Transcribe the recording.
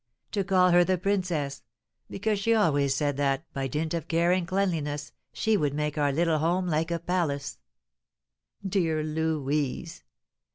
to call her the Princess, because she always said that, by dint of care and cleanliness, she would make our little home like a palace! Dear Louise!